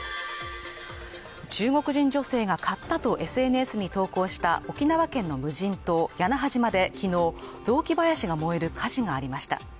中国人女性が買ったとＳＮＳに投稿した沖縄県の無人島、屋那覇島で昨日雑木林が燃える火事がありました。